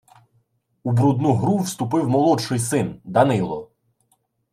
У брудну гру вступив молодший син – Данило